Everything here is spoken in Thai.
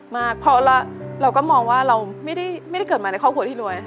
มากเพราะเราก็มองว่าเราไม่ได้เกิดมาในครอบครัวที่รวย